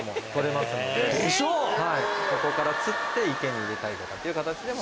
ここから釣って池に入れたりとかっていう形でも。